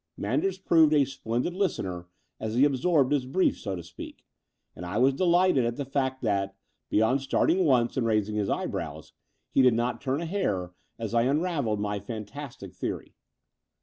Manders proved a splendid listener as he ab sorbed his brief, so to speak: and I was delighted at the fact that, beyond starting once and raising his eyebrows, he did not turn a hair as I unravelled my fantastic theory.